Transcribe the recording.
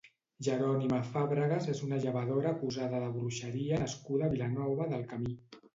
Jerònima Fàbregues és una llevadora acusada de bruixeria nascuda a Vilanova del Camí.